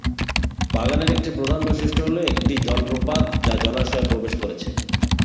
বাগানের একটি প্রধান বৈশিষ্ট্য হ'ল একটি জলপ্রপাত যা জলাশয়ে প্রবেশ করেছে।